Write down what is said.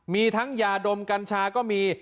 มีทั้งยาดมกัญชาก็มี